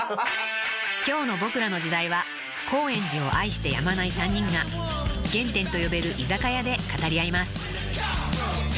［今日の『ボクらの時代』は高円寺を愛してやまない３人が原点と呼べる居酒屋で語り合います］